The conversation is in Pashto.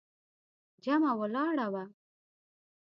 جمعه ولاړه وه.